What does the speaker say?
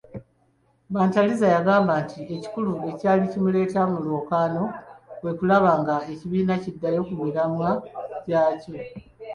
Bantariza yagamba nti ekikulu ekyali kimuleeta mu lwokaano kwekulaba nga ekibiina kiddayo kumiramwa gyaakyo.